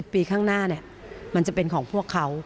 ปีข้างหน้ามันจะเป็นของพวกเขา